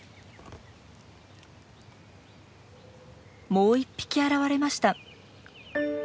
もう一匹現れました。